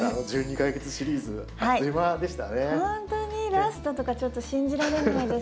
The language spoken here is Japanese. ラストとかちょっと信じられないです。